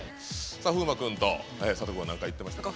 風磨君と佐藤君は何か言ってましたか？